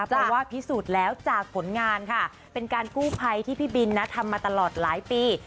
เพราะว่าพิสูจน์แล้วจากผลงานค่ะเป็นการกู้ภัยที่พี่บินนะทำมาตลอดหลายปี